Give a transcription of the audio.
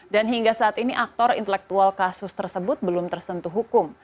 dan hingga saat ini aktor intelektual kasus tersebut belum tersentuh hukum